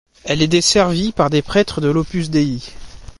Elle est desservie par des prêtres de l'Opus Dei.